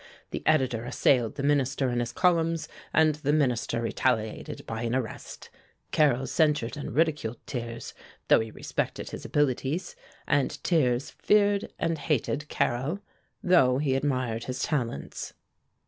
The editor assailed the Minister in his columns, and the Minister retaliated by an arrest. Carrel censured and ridiculed Thiers, though he respected his abilities, and Thiers feared and hated Carrel, though he admired his talents."